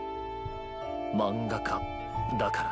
漫画家だからな。